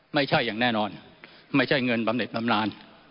อย่างแน่นอนไม่ใช่เงินบำเน็ตบำนาน